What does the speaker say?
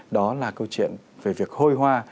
đó là câu chuyện về việc hôi hoa